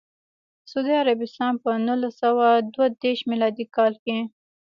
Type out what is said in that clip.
سعودي عربستان په نولس سوه دوه دیرش میلادي کال کې.